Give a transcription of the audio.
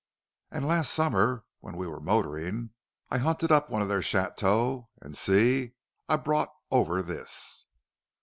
And last summer, when we were motoring, I hunted up one of their chateaux; and see! I brought over this."